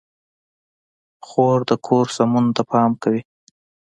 خور د کور سمون ته پام کوي.